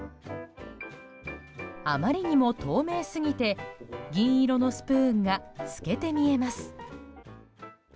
あまりにも透明すぎて銀色のスプーンが透けて見えます。